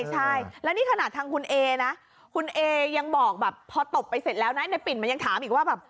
ใช่แล้วนี่ขนาดทางคุณเอนะคุณเอยังบอกแบบพอตบไปเสร็จแล้วนะในปิ่นมันยังถามอีกว่าแบบ